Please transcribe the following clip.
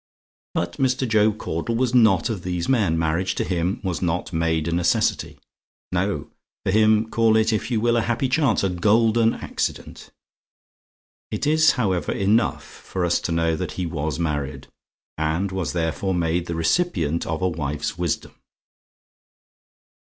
But Mr. Job Caudle was not of these men. Marriage to him was not made a necessity. No; for him call it if you will a happy chance a golden accident. It is, however, enough for us to know that he was married; and was therefore made the recipient of a wife's wisdom.